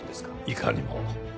いかにも。